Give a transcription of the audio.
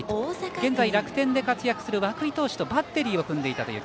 現在、楽天で活躍する涌井投手とバッテリーを組んでいたという。